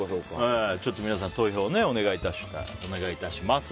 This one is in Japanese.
皆さん、投票をお願いします。